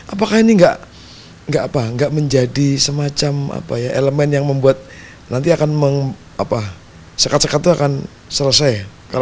apakah ini tidak menjadi semacam elemen yang membuat nanti akan sekat sekat itu akan selesai